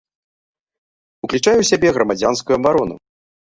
Ўключае ў сябе грамадзянскую абарону.